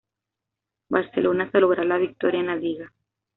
Barcelona hasta lograr la victoria en la liga.